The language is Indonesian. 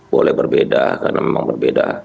boleh berbeda karena memang berbeda